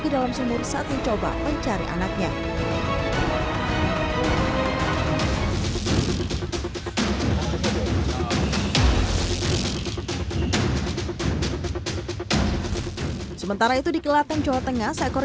ke dalam sumur saat mencoba mencari anaknya sementara itu di kelaten jawa tengah seekor